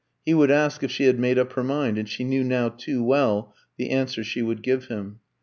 He would ask if she had made up her mind; and she knew now too well the answer she would give him.